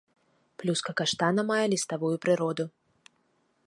Плюска каштана мае ліставую прыроду.